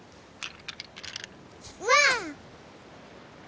わあ！